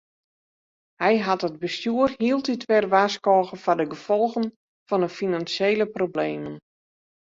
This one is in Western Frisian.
Hy hat it bestjoer hieltyd wer warskôge foar de gefolgen fan de finansjele problemen.